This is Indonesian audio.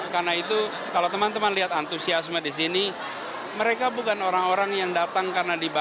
karena itu kalau teman teman lihat antusiasme di sini mereka bukan orang orang yang datang karena dibayar